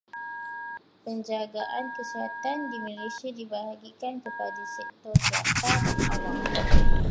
Penjagaan kesihatan di Malaysia dibahagikan kepada sektor swasta dan awam.